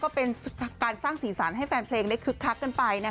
ก็เป็นศึกษาการสร้างศีรษรรณ์ให้แฟนเพลงได้คลึกคลักเกินไปนะคะ